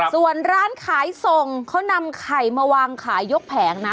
ส่วนร้านขายส่งเขานำไข่มาวางขายยกแผงนะ